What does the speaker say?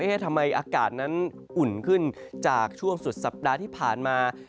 ทำไมอากาศนั้นอุ่นขึ้นจากช่วงสุดสัปดาห์ที่ผ่านมา